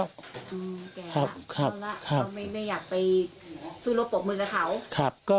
เขาไม่อยากไปสู้รวบปกบมือกับเขา